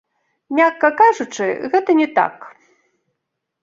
Мякка кажучы, гэта не так.